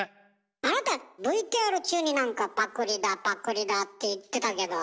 あなたＶＴＲ中になんか「パクリだパクリだ」って言ってたけど。